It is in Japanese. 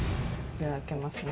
じゃあ開けますね。